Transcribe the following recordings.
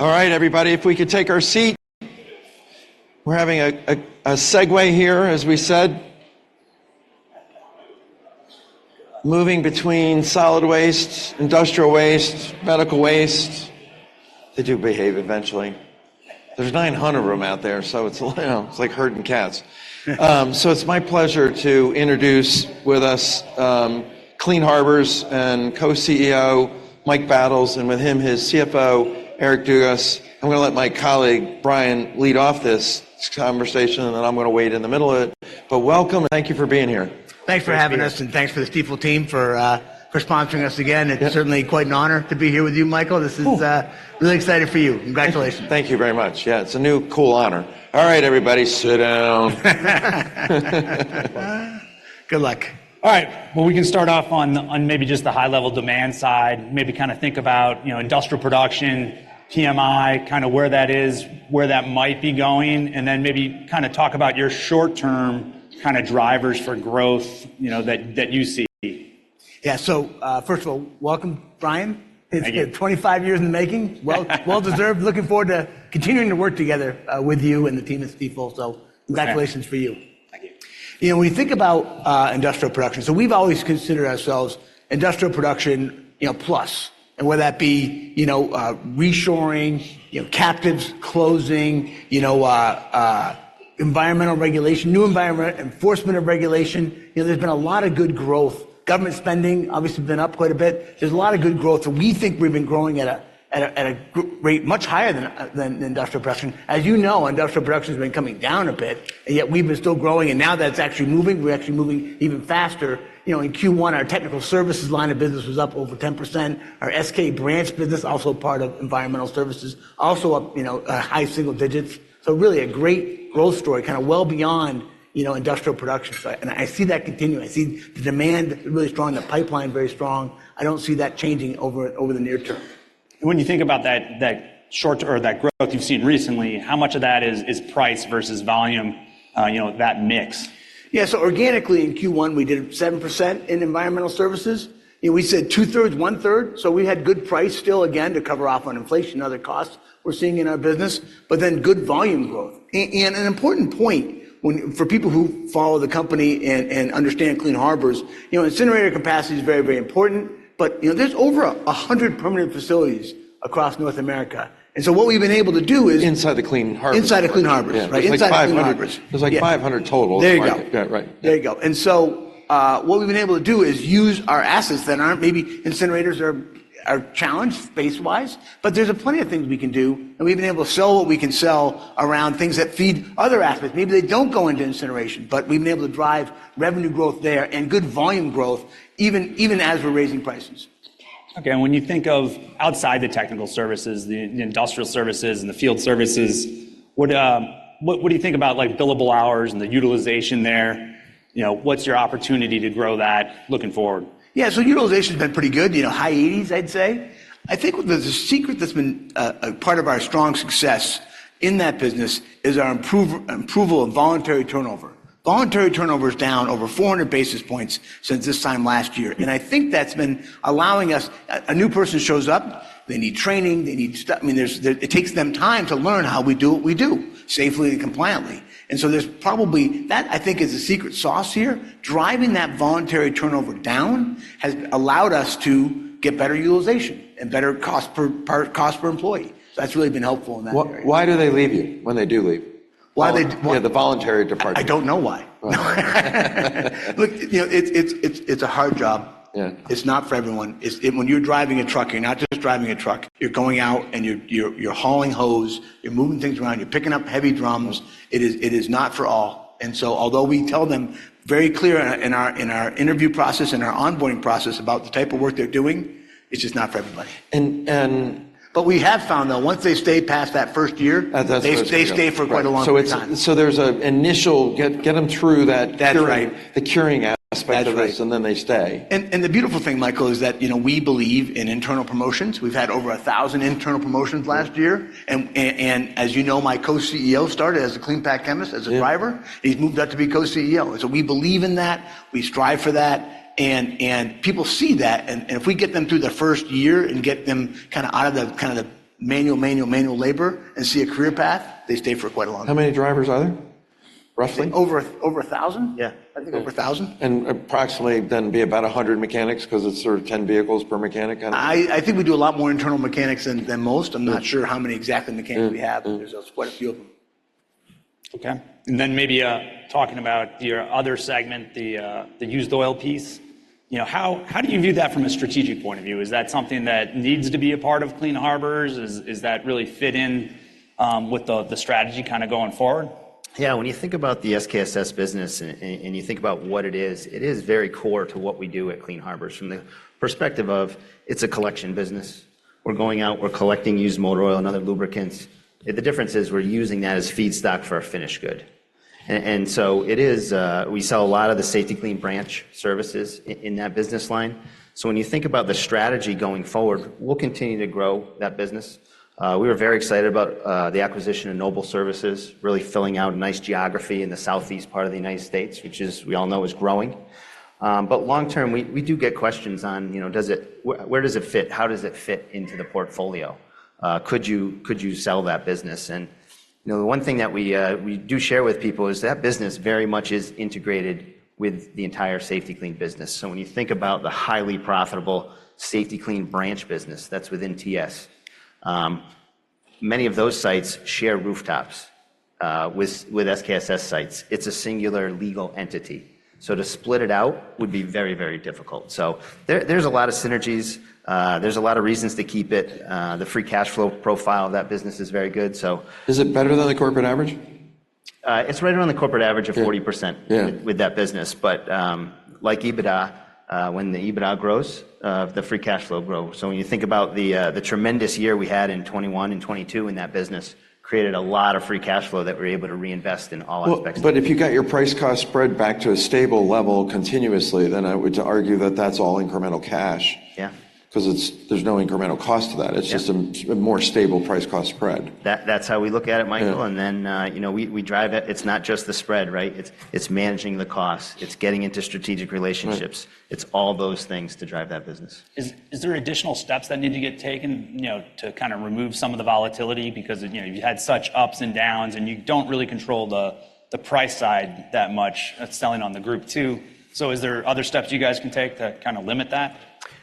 All right, everybody, if we could take our seat. We're having a segue here, as we said. Moving between solid waste, industrial waste, medical waste. They do behave eventually. There's 900 of them out there, so it's you know, it's like herding cats. So it's my pleasure to introduce with us, Clean Harbors' Co-CEO Mike Battles, and with him, his CFO Eric Dugas. I'm gonna let my colleague, Brian, lead off this conversation, and then I'm gonna wade in the middle of it. But welcome, and thank you for being here. Thanks for having us and thanks for the Stifel team for sponsoring us again. Yeah. It's certainly quite an honor to be here with you, Michael. Cool. Really excited for you. Congratulations. Thank you. Thank you very much. Yeah, it's a new, cool honor. All right, everybody, sit down. Good luck. All right. Well, we can start off on maybe just the high-level demand side, maybe kind of think about, you know, industrial production, PMI, kind of where that is, where that might be going, and then maybe kind of talk about your short-term kind of drivers for growth, you know, that you see. Yeah. First of all, welcome, Brian. Thank you. It's 25 years in the making. Well, well-deserved. Looking forward to continuing to work together with you and the team at Stifel, so- Okay. Congratulations to you. Thank you. You know, when you think about industrial production, so we've always considered ourselves industrial production, you know, plus, and whether that be, you know, reshoring, you know, captives closing, you know, environmental regulation, new environmental enforcement of regulation. You know, there's been a lot of good growth. Government spending obviously been up quite a bit. There's a lot of good growth, so we think we've been growing at a rate much higher than industrial production. As you know, industrial production's been coming down a bit, and yet we've been still growing, and now that it's actually moving, we're actually moving even faster. You know, in Q1, our technical services line of business was up over 10%. Our SK Branch business, also part of environmental services, also up, you know, high single digits. So really a great growth story, kind of well beyond, you know, industrial production. And I see that continuing. I see the demand really strong, the pipeline very strong. I don't see that changing over the near term. When you think about that, that short-term or that growth you've seen recently, how much of that is, is price versus volume, you know, that mix? Yeah, so organically, in Q1, we did 7% in environmental services, and we said 2/3, 1/3, so we had good price still again to cover off on inflation and other costs we're seeing in our business, but then good volume growth. And an important point for people who follow the company and, and understand Clean Harbors, you know, incinerator capacity is very, very important, but, you know, there's over 100 permanent facilities across North America, and so what we've been able to do is- Inside the Clean Harbors- Inside the Clean Harbors. Yeah. Right, inside Clean Harbors. There's, like, 500- Yeah. There's, like, 500 total in the market. There you go. Yeah, right. There you go. So, what we've been able to do is use our assets that aren't—maybe incinerators are challenged space-wise, but there's plenty of things we can do, and we've been able to sell what we can sell around things that feed other aspects. Maybe they don't go into incineration, but we've been able to drive revenue growth there and good volume growth, even as we're raising prices. Okay, and when you think of outside the technical services, the industrial services and the field services. What do you think about, like, billable hours and the utilization there? You know, what's your opportunity to grow that looking forward? Yeah, so utilization's been pretty good, you know, high 80s, I'd say. I think the secret that's been a part of our strong success in that business is our approval of voluntary turnover. Voluntary turnover is down over 400 basis points since this time last year, and I think that's been allowing us. A new person shows up, they need training, they need—I mean, there's, it takes them time to learn how we do what we do, safely and compliantly. And so there's probably. That, I think, is the secret sauce here. Driving that voluntary turnover down has allowed us to get better utilization and better cost per employee. That's really been helpful in that area. Why, why do they leave you, when they do leave? Why they- Yeah, the voluntary departure. I don't know why. Look, you know, it's a hard job. Yeah. It's not for everyone. When you're driving a truck, you're not just driving a truck. You're going out, and you're hauling hose, you're moving things around, you're picking up heavy drums. It is not for all. And so although we tell them very clear in our interview process and our onboarding process about the type of work they're doing, it's just not for everybody. And, and- But we have found, though, once they stay past that first year- That's, yeah. They stay for quite a long time. So there's an initial, get them through that- That's right. The curing aspect of this- That's right. And then they stay. The beautiful thing, Michael, is that, you know, we believe in internal promotions. We've had over 1,000 internal promotions last year. As you know, my co-CEO started as a Clean Harbors chemist, as a driver. Yeah. He's moved up to be co-CEO. So we believe in that, we strive for that, and people see that, and if we get them through their first year and get them kind of out of the manual labor and see a career path, they stay for quite a long time. How many drivers are there, roughly? Over 1,000. Yeah. I think over 1,000. Approximately then be about 100 mechanics, 'cause it's sort of 10 vehicles per mechanic kind of. I think we do a lot more internal mechanics than most. I'm not sure how many exact mechanics we have there's quite a few of them. Okay, and then maybe, talking about your other segment, the used oil piece, you know, how do you view that from a strategic point of view? Is that something that needs to be a part of Clean Harbors? Is that really fit in, with the strategy kind of going forward? Yeah, when you think about the SKSS business and you think about what it is, it is very core to what we do at Clean Harbors from the perspective of it's a collection business. We're going out, we're collecting used motor oil and other lubricants. The difference is we're using that as feedstock for our finished good. And so it is. We sell a lot of the Safety-Kleen branch services in that business line. So when you think about the strategy going forward, we'll continue to grow that business. We were very excited about the acquisition of Noble Services, really filling out a nice geography in the Southeast part of the United States, which is, we all know, is growing. But long term, we do get questions on, you know, does it, where does it fit? How does it fit into the portfolio? Could you, could you sell that business? You know, the one thing that we, we do share with people is that business very much is integrated with the entire Safety-Kleen business. So when you think about the highly profitable Safety-Kleen branch business, that's within TS. Many of those sites share rooftops, with SKSS sites. It's a singular legal entity, so to split it out would be very, very difficult. So there, there's a lot of synergies. There's a lot of reasons to keep it. The free cash flow profile of that business is very good, so- Is it better than the corporate average? It's right around the corporate average of 40%. Yeah With that business, but, like EBITDA, when the EBITDA grows, the free cash flow grows. So when you think about the tremendous year we had in 2021 and 2022 in that business, created a lot of free cash flow that we're able to reinvest in all aspects. Well, but if you got your price cost spread back to a stable level continuously, then I would argue that that's all incremental cash. Yeah. 'Cause there's no incremental cost to that. Yeah. It's just a more stable price cost spread. That's how we look at it, Michael. Yeah. Then, you know, we drive it. It's not just the spread, right? It's managing the cost. It's getting into strategic relationships. Right. It's all those things to drive that business. Is there additional steps that need to get taken, you know, to kind of remove some of the volatility? Because, you know, you had such ups and downs, and you don't really control the price side that much. That's selling on the Group II. So is there other steps you guys can take to kind of limit that?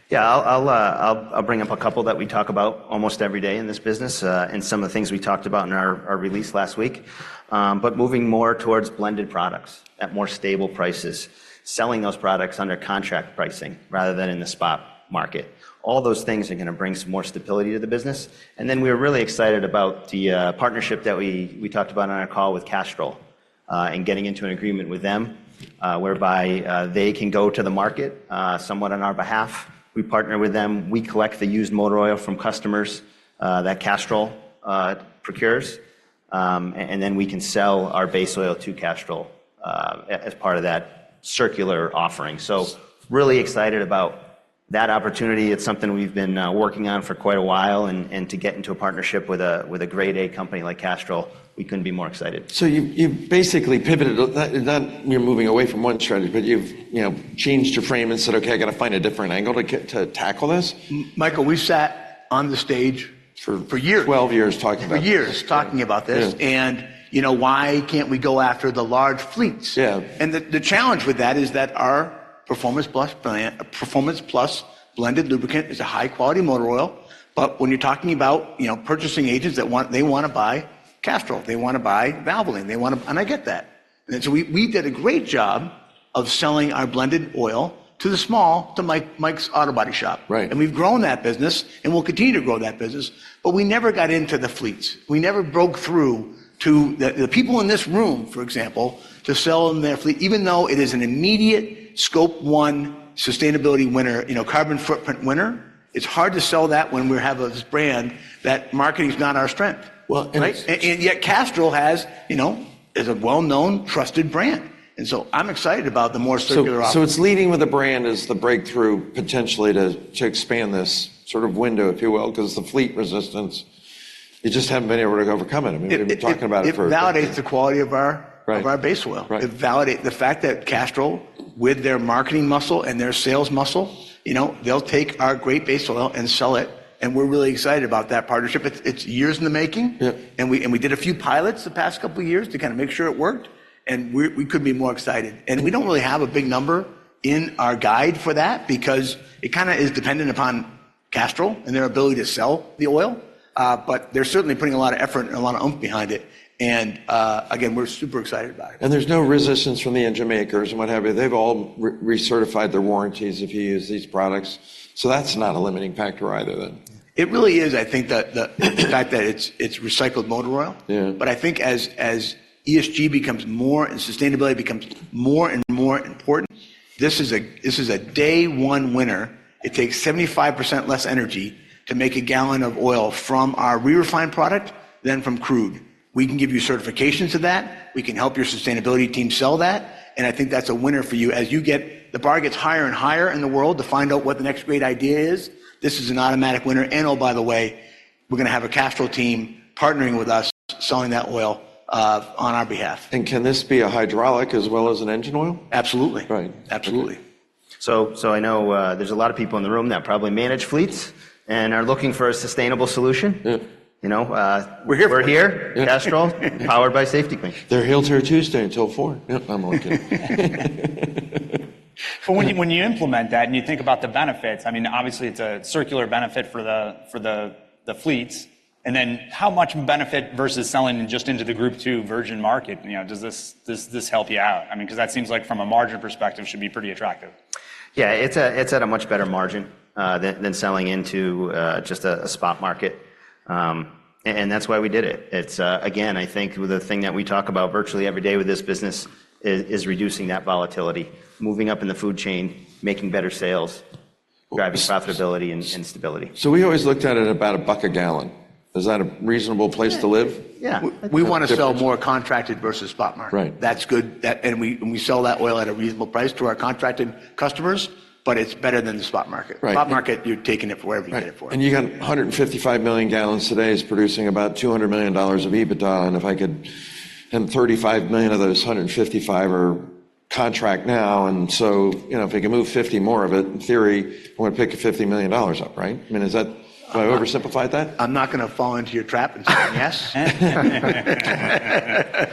Yeah, I'll bring up a couple that we talk about almost every day in this business, and some of the things we talked about in our release last week. But moving more towards blended products at more stable prices, selling those products under contract pricing rather than in the spot market. All those things are gonna bring some more stability to the business. And then we're really excited about the partnership that we talked about on our call with Castrol, and getting into an agreement with them, whereby they can go to the market somewhat on our behalf. We partner with them. We collect the used motor oil from customers that Castrol procures. And then we can sell our base oil to Castrol as part of that circular offering. Really excited about that opportunity. It's something we've been working on for quite a while, and to get into a partnership with a Grade A company like Castrol, we couldn't be more excited. So you've basically pivoted. Not, you're not moving away from one strategy, but you've, you know, changed your frame and said, "Okay, I got to find a different angle to get to tackle this? Michael, we've sat on the stage for years. 12 years talking about this. For years, talking about this. Yeah. You know, why can't we go after the large fleets? Yeah. And the challenge with that is that our Performance Plus blended lubricant is a high-quality motor oil. But when you're talking about, you know, purchasing agents that want, they wanna buy Castrol, they wanna buy Valvoline, they wanna— and I get that. And so we did a great job of selling our blended oil to the small, to Mike's auto body shop. Right. We've grown that business, and we'll continue to grow that business, but we never got into the fleets. We never broke through to the people in this room, for example, to sell them their fleet, even though it is an immediate Scope 1 sustainability winner, you know, carbon footprint winner. It's hard to sell that when we have this brand, that marketing is not our strength. Well, and I- And yet Castrol has, you know, is a well-known, trusted brand, and so I'm excited about the more circular opportunity. So, it's leading with the brand is the breakthrough, potentially, to expand this sort of window, if you will, 'cause the fleet resistance you just haven't been able to overcome it. I mean, we've been talking about it for- It validates the quality of our- Right. Of our base oil. Right. It validate the fact that Castrol, with their marketing muscle and their sales muscle, you know, they'll take our great base oil and sell it, and we're really excited about that partnership. It's years in the making. Yeah. We did a few pilots the past couple of years to kind of make sure it worked, and we couldn't be more excited. We don't really have a big number in our guide for that because it kind of is dependent upon Castrol and their ability to sell the oil. But they're certainly putting a lot of effort and a lot of oomph behind it, and again, we're super excited about it. There's no resistance from the engine makers and what have you. They've all recertified their warranties if you use these products, so that's not a limiting factor either, then. It really is, I think, the fact that it's, it's recycled motor oil. Yeah. But I think as, as ESG becomes more and sustainability becomes more and more important, this is a, this is a day one winner. It takes 75% less energy to make a gallon of oil from our re-refined product than from crude. We can give you certifications of that. We can help your sustainability team sell that, and I think that's a winner for you. As you get, the bar gets higher and higher in the world to find out what the next great idea is, this is an automatic winner. And oh, by the way, we're gonna have a Castrol team partnering with us, selling that oil on our behalf. Can this be a hydraulic as well as an engine oil? Absolutely. Right. Absolutely. So I know there's a lot of people in the room that probably manage fleets and are looking for a sustainable solution. Yeah. You know. We're here. We're here. Yeah. Castrol, powered by Safety-Kleen. They're here till Tuesday until 4:00 P.M. Yep, I'm okay. When you implement that, and you think about the benefits, I mean, obviously it's a circular benefit for the fleets, and then how much benefit versus selling just into the Group II virgin market, you know, does this help you out? I mean, 'cause that seems like from a margin perspective, should be pretty attractive. Yeah, it's at a much better margin than selling into just a spot market. And that's why we did it. It's again, I think the thing that we talk about virtually every day with this business is reducing that volatility, moving up in the food chain, making better sales, driving profitability and stability. So we always looked at it about $1 a gallon. Is that a reasonable place to live? Yeah. We wanna sell more contracted versus spot market. Right. That's good. And we sell that oil at a reasonable price to our contracted customers, but it's better than the spot market. Right. Spot market, you're taking it for whatever you get it for. Right. And you got 155 million gallons today, is producing about $200 million of EBITDA, and if I could, and 35 million of those 155 are contract now, and so, you know, if we can move 50 more of it, in theory, we're gonna pick your $50 million up, right? I mean, is that, have I oversimplified that? I'm not gonna fall into your trap and say yes.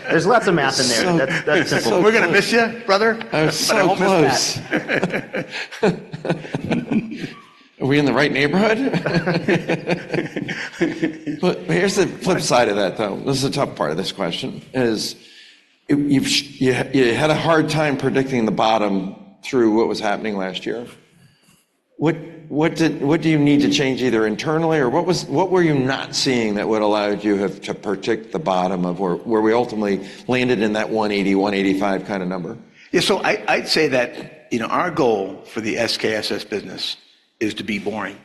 There's lots of math in there. That's, that's simple. We're gonna miss you, brother- I was so close. But I won't miss that. Are we in the right neighborhood? But here's the flip side of that, though. This is the tough part of this question, is you had a hard time predicting the bottom through what was happening last year. What do you need to change, either internally or what were you not seeing that would've allowed you have to predict the bottom of where we ultimately landed in that $180-$185 kind of number? Yeah, so I, I'd say that, you know, our goal for the SKSS business is to be boring,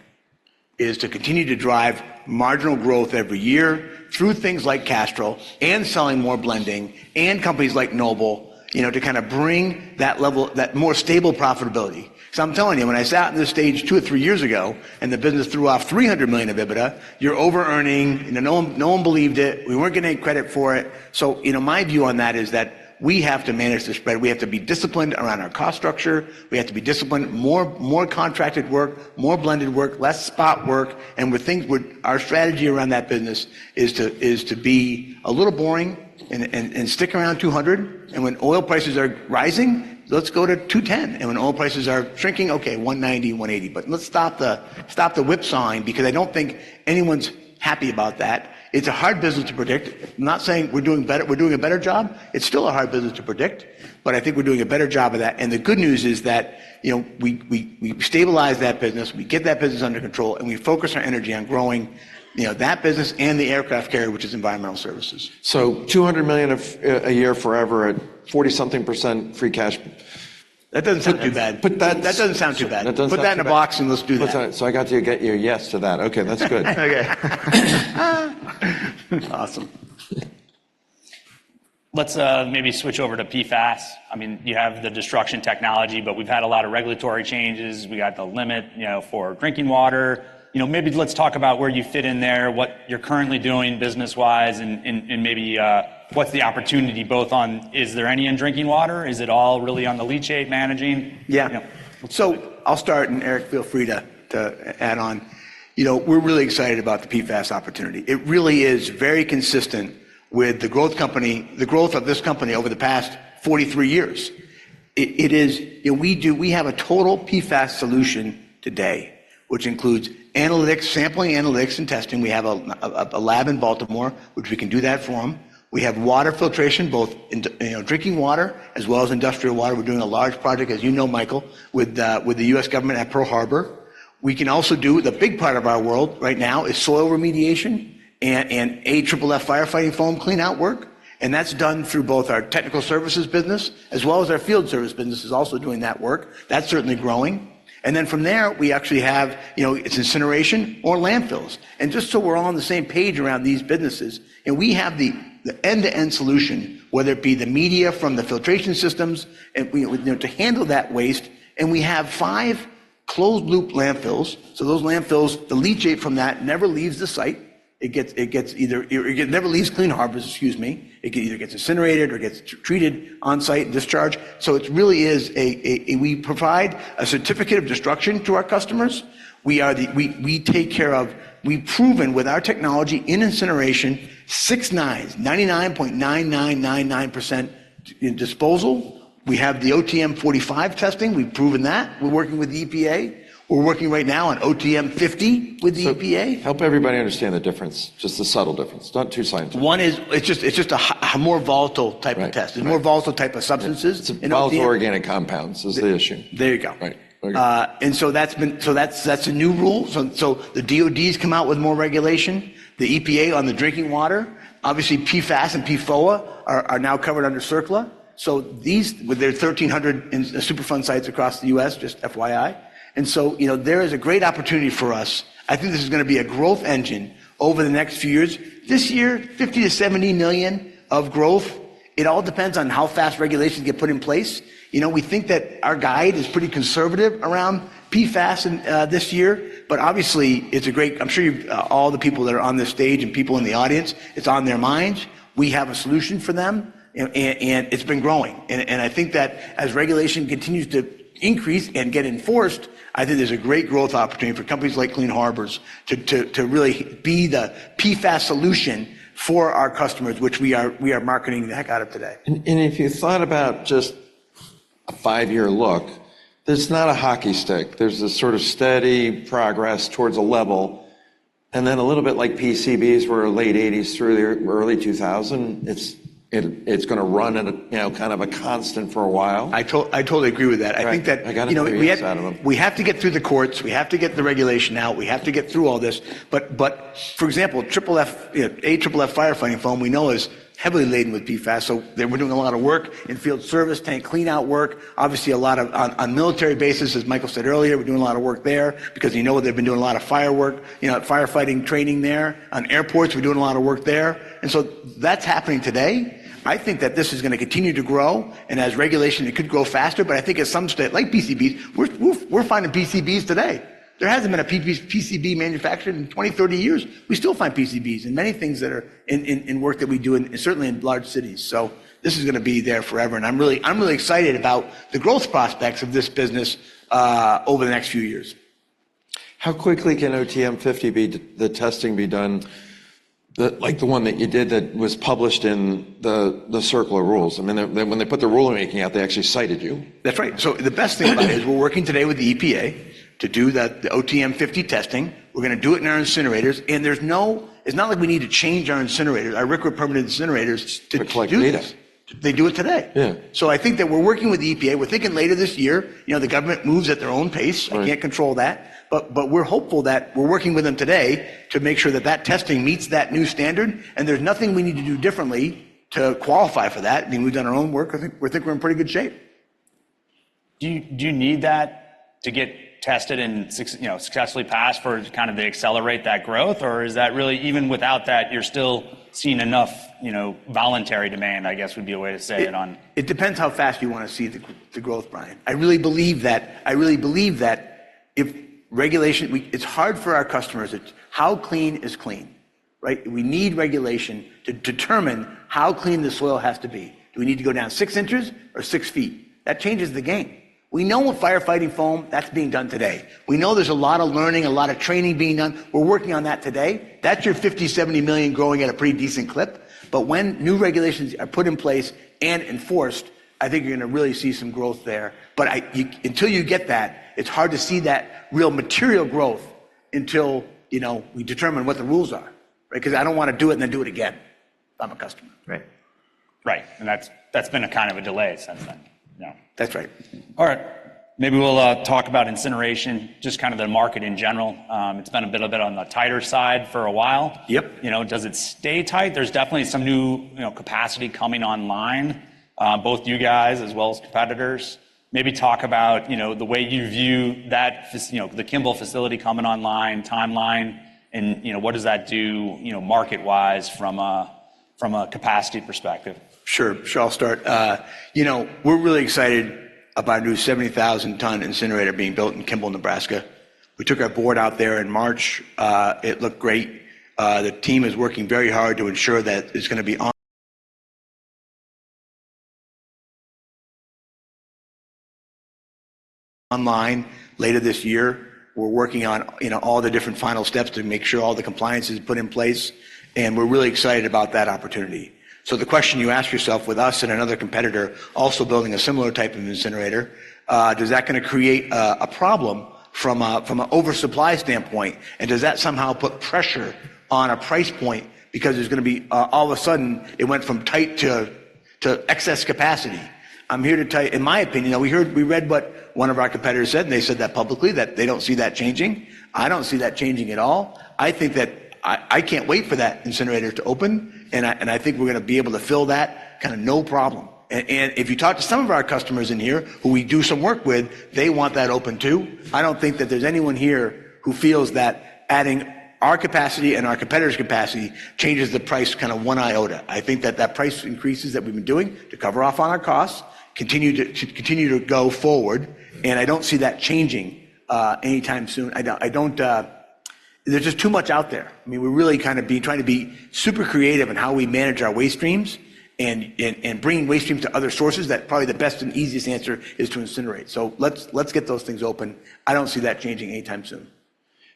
is to continue to drive marginal growth every year through things like Castrol and selling more blending and companies like Noble, you know, to kind of bring that level, that more stable profitability. So I'm telling you, when I sat on this stage two or three years ago, and the business threw off $300 million of EBITDA, you're overearning, and no one, no one believed it. We weren't getting any credit for it. So, you know, my view on that is that we have to manage the spread. We have to be disciplined around our cost structure. We have to be disciplined, more, more contracted work, more blended work, less spot work, and with things where our strategy around that business is to, is to be a little boring and, and, and stick around $200, and when oil prices are rising, let's go to $210. And when oil prices are shrinking, okay, $190, $180. But let's stop the, stop the whipsawing because I don't think anyone's happy about that. It's a hard business to predict. I'm not saying we're doing better, we're doing a better job. It's still a hard business to predict, but I think we're doing a better job of that. And the good news is that, you know, we stabilize that business, we get that business under control, and we focus our energy on growing, you know, that business and the aircraft carrier, which is environmental services. So $200 million a year forever at 40-something percent free cash. That doesn't sound too bad. But that doesn't sound too bad. Put that in a box, and let's do that. I got to get you a yes to that. Okay, that's good. Okay. Awesome. Let's maybe switch over to PFAS. I mean, you have the destruction technology, but we've had a lot of regulatory changes. We got the limit, you know, for drinking water. You know, maybe let's talk about where you fit in there, what you're currently doing business-wise, and, and, and maybe, what's the opportunity both on, is there any in drinking water? Is it all really on the leachate managing? Yeah. Yeah. So I'll start, and Eric, feel free to add on. You know, we're really excited about the PFAS opportunity. It really is very consistent with the growth of this company over the past 43 years. It is. You know, we have a total PFAS solution today, which includes analytics, sampling, analytics, and testing. We have a lab in Baltimore, which we can do that for them. We have water filtration, both, you know, drinking water as well as industrial water. We're doing a large project, as you know, Michael, with the U.S. government at Pearl Harbor. We can also do the big part of our world right now is soil remediation and AFFF firefighting foam clean-out work, and that's done through both our technical services business, as well as our field service business is also doing that work. That's certainly growing. And then from there, we actually have, you know, it's incineration or landfills. And just so we're all on the same page around these businesses, and we have the end-to-end solution, whether it be the media from the filtration systems, and we, you know, to handle that waste, and we have five closed-loop landfills. So those landfills, the leachate from that never leaves the site. It never leaves Clean Harbors, excuse me. It either gets incinerated or gets treated on-site and discharged. So it really is, we provide a certificate of destruction to our customers. We take care of, we've proven with our technology in incineration, six nines, 99.9999% destruction in disposal. We have the OTM-45 testing. We've proven that. We're working with the EPA. We're working right now on OTM-50 with the EPA. So help everybody understand the difference, just the subtle difference. Not too scientific. One is, it's just a more volatile type of test. Right. Right. It's more volatile type of substances in OTM. Yeah, it's volatile organic compounds is the issue. There you go. Right. Okay. And so that's a new rule. So the DOD's come out with more regulation, the EPA on the drinking water. Obviously, PFAS and PFOA are now covered under CERCLA. So these, with their 1,300 in Superfund sites across the U.S., just FYI. And so, you know, there is a great opportunity for us. I think this is gonna be a growth engine over the next few years. This year, $50 million-$70 million of growth. It all depends on how fast regulations get put in place. You know, we think that our guide is pretty conservative around PFAS and this year, but obviously, it's a great. I'm sure you've all the people that are on this stage and people in the audience, it's on their minds. We have a solution for them, and it's been growing. I think that as regulation continues to increase and get enforced, I think there's a great growth opportunity for companies like Clean Harbors to really be the PFAS solution for our customers, which we are marketing the heck out of today. And if you thought about just a five-year look, there's not a hockey stick. There's this sort of steady progress towards a level, and then a little bit like PCBs were late 1980s through the early 2000s. It's gonna run at a, you know, kind of a constant for a while. I totally agree with that. Right. I think that- I got a three years out of them. You know, we have, we have to get through the courts. We have to get the regulation out. We have to get through all this, but, but for example, AFFF, you know, AFFF firefighting foam, we know, is heavily laden with PFAS, so we're doing a lot of work in field service, tank clean-out work, obviously a lot of on military bases, as Michael said earlier, we're doing a lot of work there because, you know, they've been doing a lot of firework, you know, firefighting training there. On airports, we're doing a lot of work there, and so that's happening today. I think that this is gonna continue to grow, and as regulation, it could grow faster, but I think at some stage, like PCBs, we're finding PCBs today. There hasn't been a PCB manufacturer in 20, 30 years. We still find PCBs in many things that are in work that we do, and certainly in large cities. So this is gonna be there forever, and I'm really, I'm really excited about the growth prospects of this business over the next few years. How quickly can OTM-50 be the testing be done? The, like, the one that you did that was published in the, the CERCLA rules. I mean, when they put the rulemaking out, they actually cited you. That's right. So the best thing about it is we're working today with the EPA to do that, the OTM-50 testing. We're gonna do it in our incinerators, and there's no, it's not like we need to change our incinerators. Our RCRA permanent incinerators to do this. To collect data. They do it today. Yeah. I think that we're working with the EPA. We're thinking later this year. You know, the government moves at their own pace. Right. We can't control that. But, we're hopeful that we're working with them today to make sure that that testing meets that new standard, and there's nothing we need to do differently to qualify for that. I mean, we've done our own work. I think, we think we're in pretty good shape. Do you need that to get tested and, you know, successfully passed for kind of to accelerate that growth? Or is that really even without that, you're still seeing enough, you know, voluntary demand, I guess, would be a way to say it on. It depends how fast you want to see the growth, Brian. I really believe that, I really believe that if regulation. It's hard for our customers. It's how clean is clean, right? We need regulation to determine how clean the soil has to be. Do we need to go down six inches or six feet? That changes the game. We know with firefighting foam, that's being done today. We know there's a lot of learning, a lot of training being done. We're working on that today. That's your $50 million-$70 million growing at a pretty decent clip. But when new regulations are put in place and enforced, I think you're gonna really see some growth there. Until you get that, it's hard to see that real material growth until, you know, we determine what the rules are, right? 'Cause I don't wanna do it and then do it again if I'm a customer. Right? Right, and that's, that's been a kind of a delay since then. Yeah. That's right. All right. Maybe we'll talk about incineration, just kind of the market in general. It's been a little bit on the tighter side for a while. Yep. You know, does it stay tight? There's definitely some new, you know, capacity coming online, both you guys as well as competitors. Maybe talk about, you know, the way you view that, you know, the Kimball facility coming online, timeline, and, you know, what does that do, you know, market-wise from a, from a capacity perspective? Sure. Sure, I'll start. You know, we're really excited about a new 70,000-ton incinerator being built in Kimball, Nebraska. We took our board out there in March. It looked great. The team is working very hard to ensure that it's gonna be online later this year. We're working on, you know, all the different final steps to make sure all the compliance is put in place, and we're really excited about that opportunity. So the question you ask yourself with us and another competitor also building a similar type of incinerator, does that gonna create a problem from a oversupply standpoint? And does that somehow put pressure on a price point because there's gonna be, all of a sudden, it went from tight to excess capacity? I'm here to tell you, in my opinion, now we read what one of our competitors said, and they said that publicly that they don't see that changing. I don't see that changing at all. I think that I can't wait for that incinerator to open, and I think we're gonna be able to fill that kind of no problem. And if you talk to some of our customers in here who we do some work with, they want that open, too. I don't think that there's anyone here who feels that adding our capacity and our competitor's capacity changes the price kind of one iota. I think that price increases that we've been doing to cover off on our costs continue to should continue to go forward, and I don't see that changing anytime soon. I don't. There's just too much out there. I mean, we're really kind of being, trying to be super creative in how we manage our waste streams and bringing waste streams to other sources that probably the best and easiest answer is to incinerate. So let's get those things open. I don't see that changing anytime soon.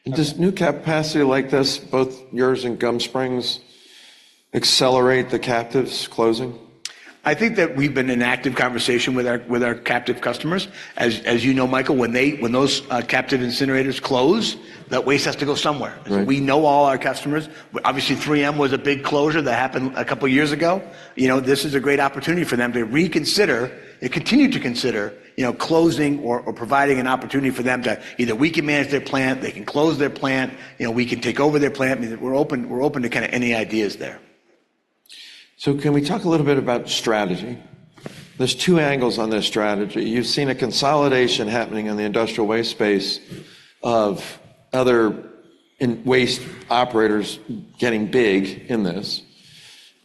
Does new capacity like this, both yours and Gum Springs, accelerate the captives closing? I think that we've been in active conversation with our captive customers. As you know, Michael, when those captive incinerators close, that waste has to go somewhere. Right. We know all our customers. Obviously, 3M was a big closure that happened a couple of years ago. You know, this is a great opportunity for them to reconsider and continue to consider, you know, closing or, or providing an opportunity for them to, either we can manage their plant, they can close their plant. You know, we can take over their plant. I mean, we're open, we're open to kind of any ideas there. So can we talk a little bit about strategy? There's two angles on this strategy. You've seen a consolidation happening in the industrial waste space of other waste operators getting big in this.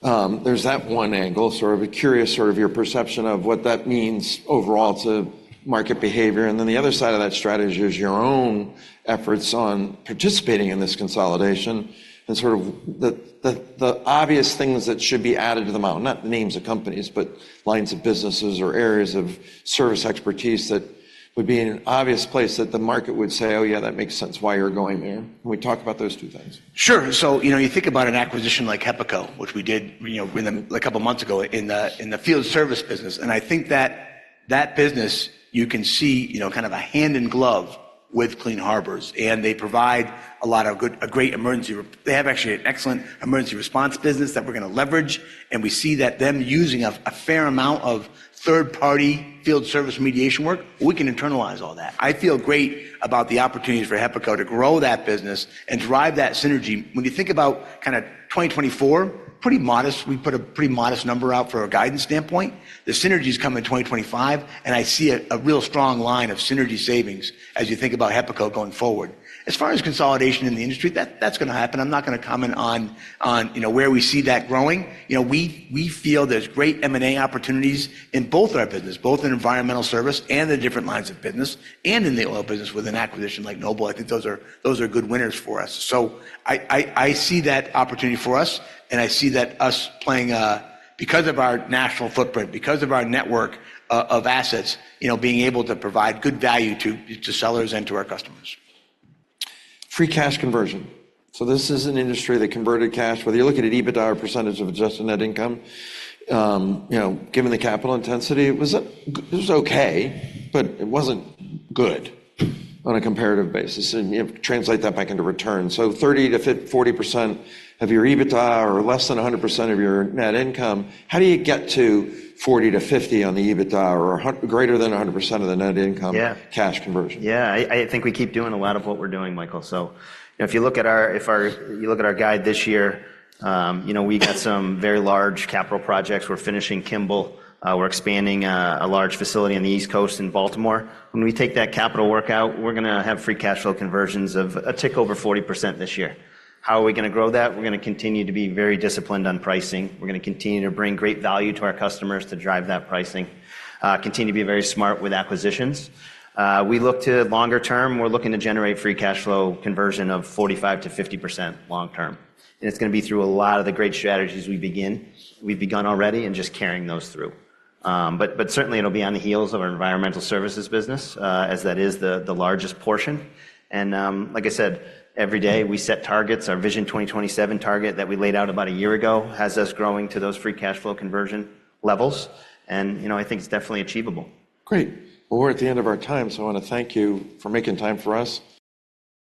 There's that one angle, sort of a curious sort of your perception of what that means overall to market behavior, and then the other side of that strategy is your own efforts on participating in this consolidation and sort of the obvious things that should be added to the model. Not the names of companies, but lines of businesses or areas of service expertise that would be in an obvious place that the market would say, "Oh, yeah, that makes sense why you're going there." Can we talk about those two things? Sure. So, you know, you think about an acquisition like HEPACO, which we did, you know, within a couple of months ago in the, in the field service business, and I think that, that business you can see, you know, kind of a hand in glove with Clean Harbors, and they provide a lot of good, a great emergency room. They have actually an excellent emergency response business that we're gonna leverage, and we see that them using a fair amount of third-party field service remediation work, we can internalize all that. I feel great about the opportunities for HEPACO to grow that business and drive that synergy. When you think about kind of 2024, pretty modest. We put a pretty modest number out for a guidance standpoint. The synergies come in 2025, and I see a real strong line of synergy savings as you think about HEPACO going forward. As far as consolidation in the industry, that's gonna happen. I'm not gonna comment on you know, where we see that growing. You know, we feel there's great M&A opportunities in both our business, both in environmental service and the different lines of business, and in the oil business with an acquisition like Noble. I think those are good winners for us. So I see that opportunity for us, and I see that us playing a because of our national footprint, because of our network of assets, you know, being able to provide good value to sellers and to our customers. Free cash conversion. So this is an industry that converted cash, whether you look at it EBITDA or percentage of adjusted net income, you know, given the capital intensity, it was, it was okay, but it wasn't good on a comparative basis, and you have to translate that back into return. So 30%-40% of your EBITDA or less than 100% of your net income, how do you get to 40%-50% on the EBITDA or a greater than 100% of the net income. Yeah. Cash conversion? Yeah, I think we keep doing a lot of what we're doing, Michael. So, you know, if you look at our guide this year, you know, we've got some very large capital projects. We're finishing Kimball. We're expanding a large facility on the East Coast in Baltimore. When we take that capital workout, we're gonna have free cash flow conversions of a tick over 40% this year. How are we gonna grow that? We're gonna continue to be very disciplined on pricing. We're gonna continue to bring great value to our customers to drive that pricing, continue to be very smart with acquisitions. We look to longer term, we're looking to generate free cash flow conversion of 45%-50% long term, and it's gonna be through a lot of the great strategies we've begun already and just carrying those through. But certainly, it'll be on the heels of our environmental services business, as that is the largest portion. Like I said, every day, we set targets. Our Vision 2027 target that we laid out about a year ago has us growing to those free cash flow conversion levels, and, you know, I think it's definitely achievable. Great! Well, we're at the end of our time, so I wanna thank you for making time for us.